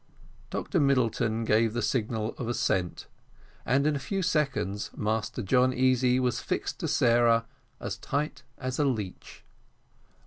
Dr Middleton gave the signal of assent, and in a few seconds Master John Easy was fixed to Sarah as tight as a leech.